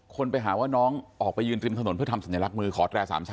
คนไปหาว่าน้องออกไปยืนริมถนนเพื่อทำสัญลักษณ์มือขอแตร๓ชั้น